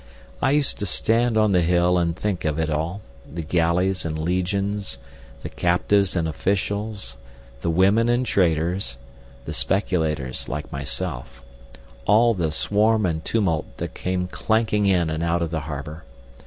I used to stand on the hill and think of it all, the galleys and legions, the captives and officials, the women and traders, the speculators like myself, all the swarm and tumult that came clanking in and out of the harbour.